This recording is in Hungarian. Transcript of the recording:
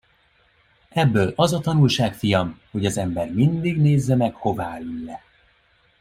Ebből az a tanulság, fiam, hogy az ember mindig nézze meg, hová ül le.